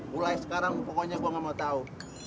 kulai sekarang pokoknya gue nggak mau tau